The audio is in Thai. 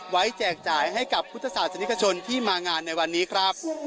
แจกจ่ายให้กับพุทธศาสนิกชนที่มางานในวันนี้ครับ